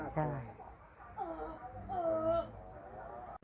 ใช่